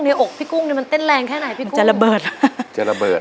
ในอกพี่กุ้งมันแต้นแรงแค่ไหนพี่จะระเบิดจะระเบิด